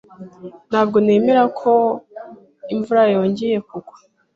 Ntabwo nemera ko imvura yongeye kugwa.